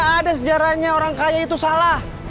gak ada sejarahnya orang kaya itu salah